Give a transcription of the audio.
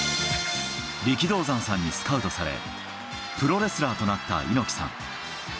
力道山さんにスカウトされ、プロレスラーとなった猪木さん。